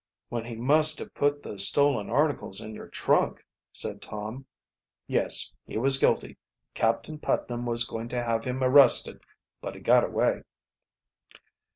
"When he must have put those stolen articles in your trunk," said Tom. "Yes, he was guilty, Captain Putnam was going to have him arrested, but he got away."